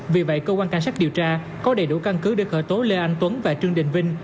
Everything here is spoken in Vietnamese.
vì vậy cơ quan cảnh sát điều tra có đầy đủ căn cứ để khởi tố lê anh tuấn và trương đình vinh